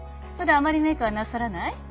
普段あまりメークはなさらない？